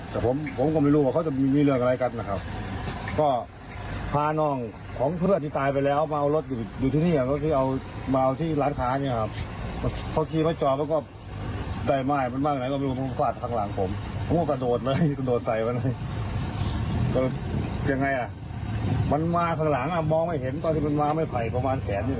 ตอนที่มันมาไม่ภัยประมาณแถนนี้แหละ